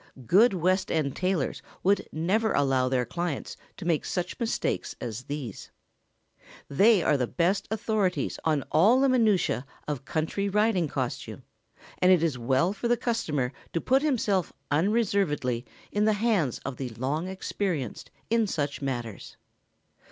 Good West End tailors would never allow their clients to make such mistakes as these. [Sidenote: Advice to the novice.] They are the best authorities on all the minutiæ of country riding costume, and it is well for the customer to put himself unreservedly in the hands of the long experienced in such matters.